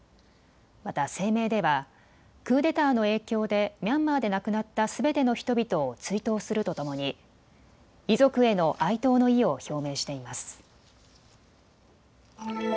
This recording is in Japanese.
また声明ではクーデターの影響でミャンマーで亡くなったすべての人々を追悼するとともに遺族への哀悼の意を表明しています。